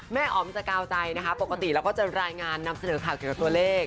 อ๋อมสกาวใจนะคะปกติเราก็จะรายงานนำเสนอข่าวเกี่ยวกับตัวเลข